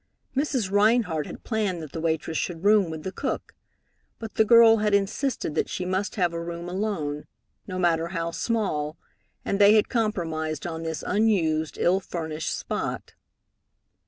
Mrs. Rhinehart had planned that the waitress should room with the cook, but the girl had insisted that she must have a room alone, no matter how small, and they had compromised on this unused, ill furnished spot.